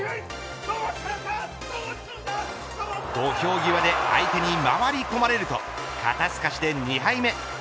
土俵際で相手に回り込まれると肩透かしで２敗目。